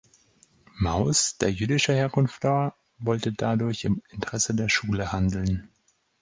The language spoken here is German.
Mauss, der jüdischer Herkunft war, wollte dadurch im Interesse der Schule handeln.